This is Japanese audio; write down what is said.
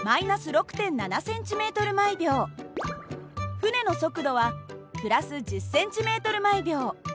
船の速度は＋１０ｃｍ／ｓ。